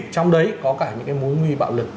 trong đấy có cả những mối nguy bạo lực